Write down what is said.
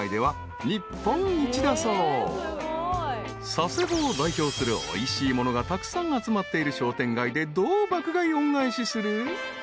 ［佐世保を代表するおいしいものがたくさん集まっている商店街でどう爆買い恩返しする？］